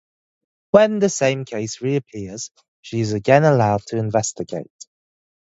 When the same case reappears she is again allowed to investigate.